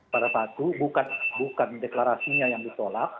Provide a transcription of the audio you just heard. pada satu bukan deklarasinya yang ditolak